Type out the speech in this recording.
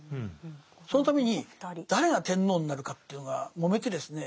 そのために誰が天皇になるかというのがもめてですね